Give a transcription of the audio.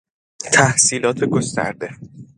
تحصیلات گسترده